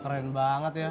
keren banget ya